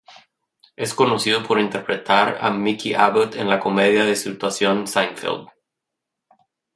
Es conocido por interpretar a Mickey Abbott en la comedia de situación, "Seinfeld".